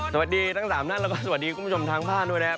สวัสดีทั้ง๓ท่านแล้วก็สวัสดีคุณผู้ชมทางบ้านด้วยนะครับ